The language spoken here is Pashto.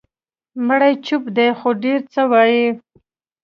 مړی چوپ دی، خو ډېر څه وایي.